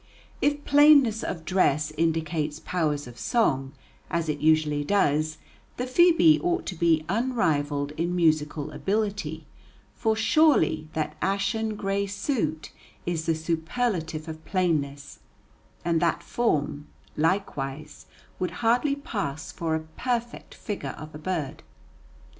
If plainness of dress indicates powers of song, as it usually does, the phœbe ought to be unrivaled in musical ability, for surely that ashen gray suit is the superlative of plainness; and that form, likewise, would hardly pass for a "perfect figure" of a bird.